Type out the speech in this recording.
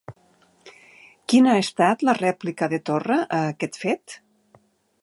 Quina ha estat la rèplica de Torra a aquest fet?